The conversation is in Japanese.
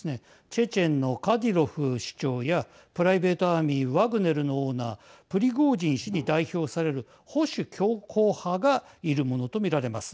チェチェンのカディロフ首長やプライベートアーミー・ワグネルのオーナープリゴジン氏に代表された保守強硬派がいるものと見られます。